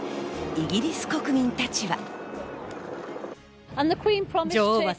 イギリス国民たちは。